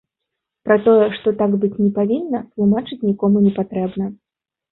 Пра тое, што так быць не павінна, тлумачыць нікому не патрэбна.